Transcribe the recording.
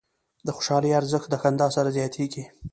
د خوشحالۍ ارزښت د خندا سره زیاتېږي.